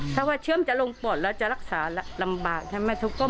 ถ้าว่าเชื้อมันจะลงปอดแล้วจะรักษาลำบากใช่ไหม